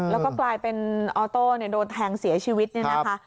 แล้วก็กลายเป็นออโต้โดนแทงเสียชีวิตเนี่ยนะคะ